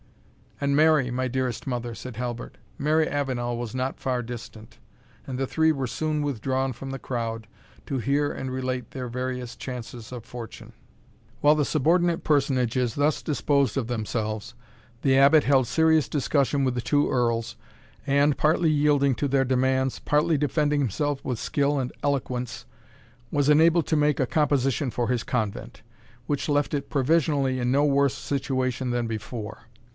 "And Mary, my dearest mother?" said Halbert. Mary Avenel was not far distant, and the three were soon withdrawn from the crowd, to hear and relate their various chances of fortune. While the subordinate personages thus disposed of themselves, the Abbot held serious discussion with the two Earls, and, partly yielding to their demands, partly defending himself with skill and eloquence, was enabled to make a composition for his Convent, which left it provisionally in no worse situation than before.